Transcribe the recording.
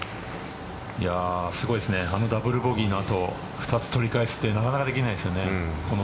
すごいですねあのダブルボギーの後２つ取り返すってなかなかできないですよね。